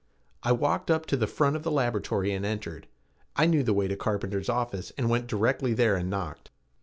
I walked up to the front of the laboratory and entered. I knew the way to Carpenter's office and I went directly there and knocked.